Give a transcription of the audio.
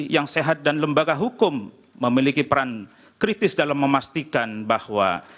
yang sehat dan lembaga hukum memiliki peran kritis dalam memastikan bahwa